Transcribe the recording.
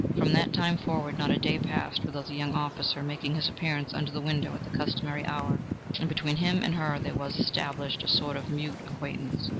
From that time forward not a day passed without the young officer making his appearance under the window at the customary hour, and between him and her there was established a sort of mute acquaintance.